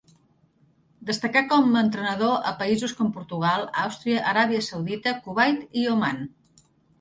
Destacà com entrenador a països com Portugal, Àustria, Aràbia Saudita, Kuwait i Oman.